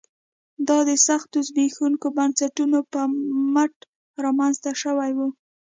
دا د سختو زبېښونکو بنسټونو پر مټ رامنځته شوی و